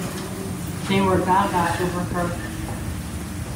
They were gaga over her.